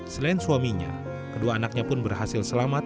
selain suaminya kedua anaknya pun berhasil selamat